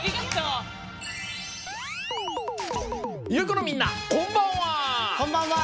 このみんなこんばんは！